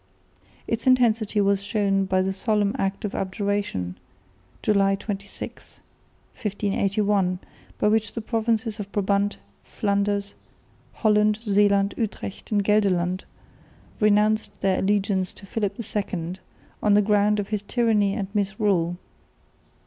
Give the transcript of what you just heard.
Its intensity was shown by the solemn Act of Abjuration, July 26, 1581, by which the provinces of Brabant, Flanders, Holland, Zeeland, Utrecht and Gelderland renounced their allegiance to Philip II on the ground of his tyranny and misrule.